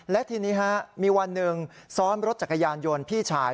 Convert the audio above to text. และทีนี้มีวันหนึ่งซ้อนรถจักรยานยนต์พี่ชาย